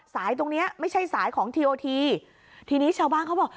ตรงเนี้ยไม่ใช่สายของทีโอทีทีนี้ชาวบ้านเขาบอก